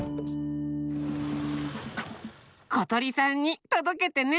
ことりさんにとどけてね！